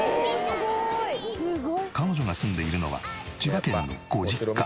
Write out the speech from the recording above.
彼女が住んでいるのは千葉県のご実家。